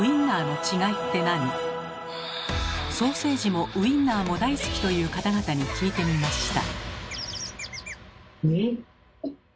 ソーセージもウインナーも大好きという方々に聞いてみました。